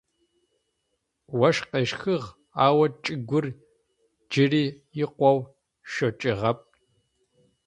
Ощх къещхыгъ, ау чӏыгур джыри икъоу шъокӏыгъэп.